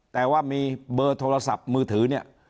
แต่ว่ามีเบอร์โทรศัพท์มือถือเนี่ย